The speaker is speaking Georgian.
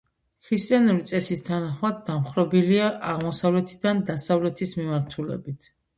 ქრისტიანული წესის თანახმად, დამხრობილია აღმოსავლეთიდან დასავლეთის მიმართულებით.